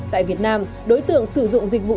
tại việt nam đối tượng sử dụng dịch vụ